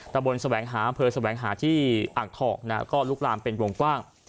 ตะบนแสวงหาเผลอแสวงหาที่อักทอกนะก็ลุกลามเป็นวงกว้าง